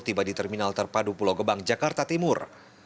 tiba di terminal terpadu pulau gebang jakarta timur